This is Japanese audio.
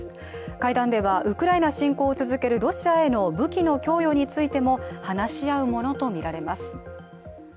会談ではウクライナ侵攻を続けるロシアへの武器の供与についても話し合うものとみられます。